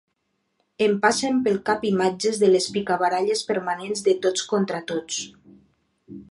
Em passen pel cap imatges de les picabaralles permanents de tots contra tots.